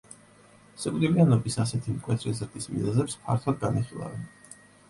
სიკვდილიანობის ასეთი მკვეთრი ზრდის მიზეზებს ფართოდ განიხილავენ.